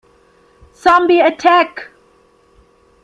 Zombie Attack!